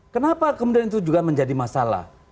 kenapa kemudian itu juga menjadi masalah